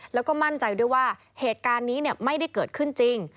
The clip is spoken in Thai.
แล้วก็มั่นใจด้วยว่าเหตุการณ์นี้ไม่ได้เกิดขึ้นจริง